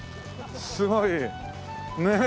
すごいねえ。